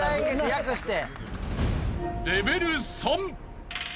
略して。